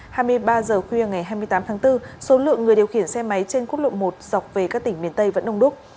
hai mươi ba h khuya ngày hai mươi tám tháng bốn số lượng người điều khiển xe máy trên quốc lộ một dọc về các tỉnh miền tây vẫn đông đúc